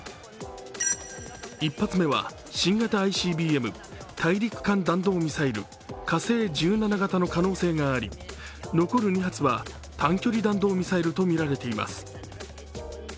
１発目は新型ＩＣＢＭ＝大陸間弾道ミサイル火星１７型の可能性があり残る２発は、短距離弾道ミサイルとみられています。